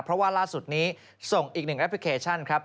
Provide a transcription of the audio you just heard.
เพราะว่าล่าสุดนี้ส่งอีกหนึ่งแอปพลิเคชันครับ